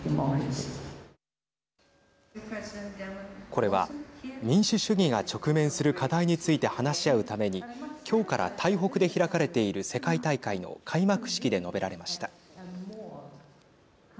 これは民主主義が直面する課題について話し合うために今日から台北で開かれている世界大会の開幕式で述べられました。